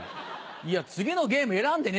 いや「次のゲーム選んでね」